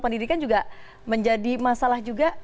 pendidikan juga menjadi masalah juga